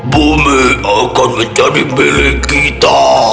bumi akan menjadi milik kita